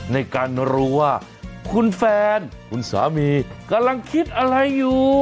ในการรู้ว่าคุณแฟนคุณสามีกำลังคิดอะไรอยู่